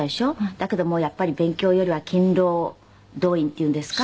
だけどもうやっぱり勉強よりは勤労動員っていうんですか？